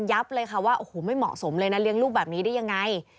เลยค่ะว่าโอ้โหไม่เหมาะสมเลยนะเลี้ยงลูกแบบนี้ได้ยังไง